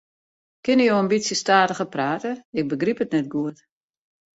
Kinne jo in bytsje stadiger prate, ik begryp it net goed.